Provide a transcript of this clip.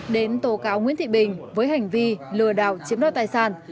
đến tố cáo nguyễn thị bình với hành vi lừa đảo chiếm đoạt tài sản